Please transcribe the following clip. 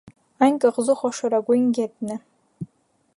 Այն կղզու խոշորագույն գետն է։